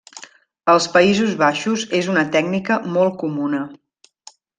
Als Països baixos és una tècnica molt comuna.